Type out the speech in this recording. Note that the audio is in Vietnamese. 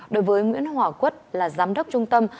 đối với nguyễn hòa quất là giám đốc trung tâm